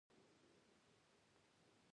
ملک وویل زړور اوسئ.